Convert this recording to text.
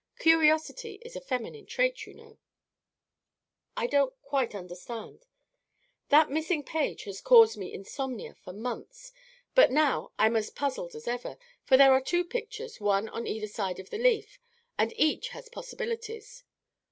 Curiosity is a feminine trait, you know." "I don't quite understand." "That missing page has caused me insomnia for months. But now I'm as puzzled as ever, for there are two pictures, one on either side of the leaf, and each has possibilities.